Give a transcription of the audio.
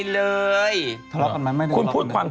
ทะเลาะกันไหมไม่ได้ทะเลาะกันไหมคุณพูดความคุย